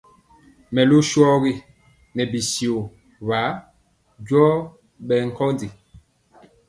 Mɛlu shɔgi nɛ bityio wa njɔɔ bɛ nkondi.